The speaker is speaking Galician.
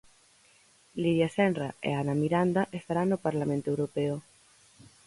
Lidia Senra e Ana Miranda estarán no Parlamento Europeo.